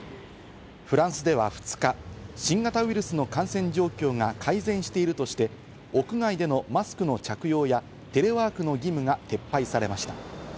フランスでは２日、新型ウイルスの感染状況が改善しているとして、屋外でのマスクの着用やテレワークの義務が撤廃されました。